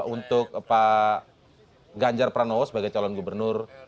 untuk pak ganjar pranowo sebagai calon gubernur